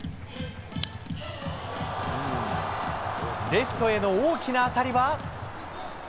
レフトへの大きな当たりは。